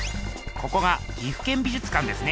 ここが岐阜県美術館ですね。